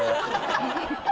ハハハ